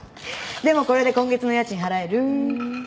でもこれで今月の家賃払える！